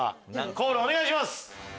コールお願いします。